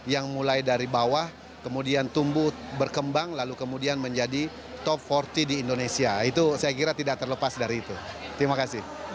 yang mulai dari bawah kemudian tumbuh berkembang lalu kemudian menjadi top empat puluh di indonesia itu saya kira tidak terlepas dari itu terima kasih